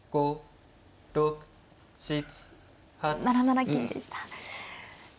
７七金でした。